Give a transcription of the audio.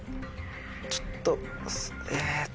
ちょっとえっと。